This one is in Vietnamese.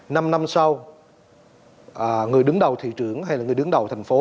năm năm sau người đứng đầu thị trưởng hay là người đứng đầu thành phố